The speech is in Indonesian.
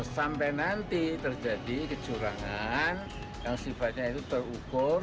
sampai nanti terjadi kecurangan yang sifatnya itu terukur